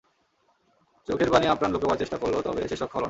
চোখের পানি আপ্রাণ লুকোবার চেষ্টা করল তবে শেষ রক্ষা হলো না।